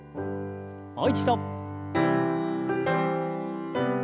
もう一度。